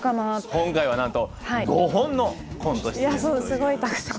今回はなんと５本のコント出演という。